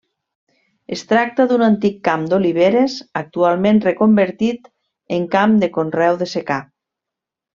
Es tracta d'un antic camp d'oliveres, actualment reconvertit en camp de conreu de secà.